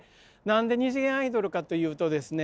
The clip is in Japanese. なんで２次元アイドルかというとですね